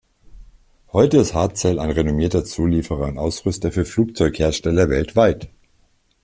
Heute ist Hartzell ein renommierter Zulieferer und Ausrüster für Flugzeughersteller weltweit.